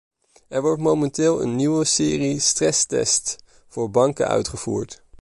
Er wordt momenteel een nieuwe serie stresstests voor banken uitgevoerd.